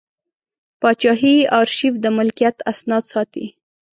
پاچاهي ارشیف د ملکیت اسناد ساتي.